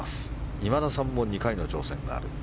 今田さんも２回の挑戦がある。